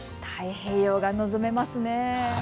太平洋が望めますね。